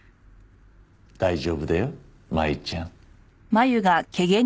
大丈夫だよ真由ちゃん。